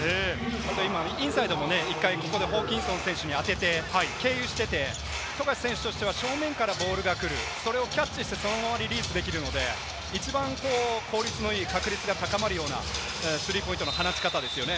今インサイドも１回、ホーキンソン選手に当てて、経由してて、富樫選手としては正面からボールが来る、それをキャッチして、そのままリリースできるので、一番効率のいい確率が高まるようなスリーポイントの放ち方ですよね。